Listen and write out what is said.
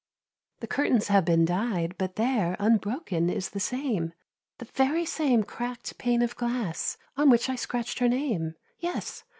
The curtains have been dyed; but there, Unbroken, is the same, The very same cracked pane of glass On which I scratch'd her name. Yes!